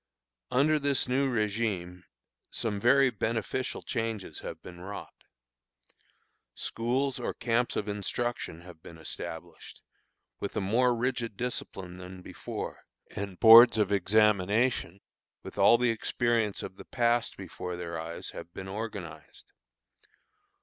Under this new régime some very beneficial changes have been wrought. Schools or camps of instruction have been established, with a more rigid discipline than before, and boards of examination, with all the experience of the past before their eyes, have been organized.